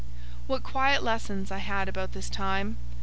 What quiet lessons I had about this time!